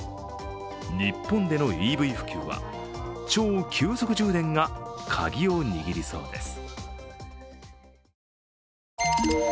日本でのＥＶ普及は超急速充電がカギを握りそうです。